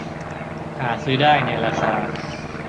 หาซื้อได้ในราคา